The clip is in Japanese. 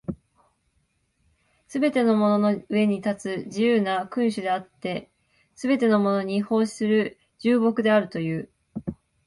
すべてのものの上に立つ自由な君主であって、すべてのものに奉仕する従僕であるという。